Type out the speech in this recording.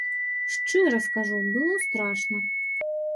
Шчыра скажу, было страшна.